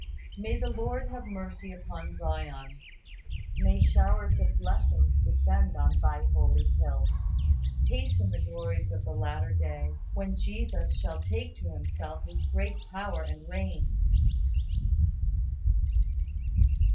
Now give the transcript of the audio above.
May the Lord have mercy upon Zion. May showers of blessing descend on Thy holy hill. Hasten the glories of the latter day, when Jesus shall take to Himself His great power and reign!